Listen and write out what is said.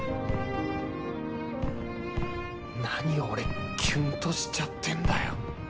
何を俺キュンとしちゃってんだよ